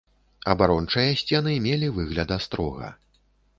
Абарончыя сцены мелі выгляд астрога.